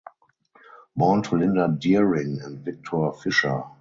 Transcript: Born to Linda Deering and Victor Fisher.